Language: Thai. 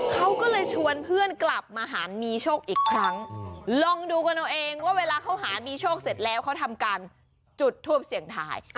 เขาก็เลยชวนเพื่อนกลับมาหามีโชคอีกครั้งลองดูกันเอาเองว่าเวลาเขาหามีโชคเสร็จแล้วเขาทำการจุดทูปเสี่ยงทาย